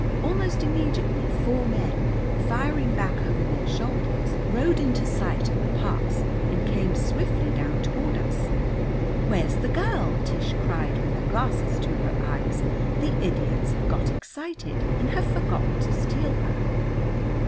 Almost immediately four men, firing back over their shoulders, rode into sight at the pass and came swiftly down toward us. "Where's the girl?" Tish cried with her glasses to her eyes. "The idiots have got excited and have forgotten to steal her."